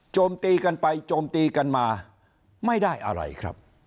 ตีกันไปโจมตีกันมาไม่ได้อะไรครับ